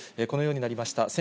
このようになりました。